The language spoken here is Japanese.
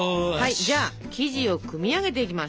じゃあ生地を組み上げていきます。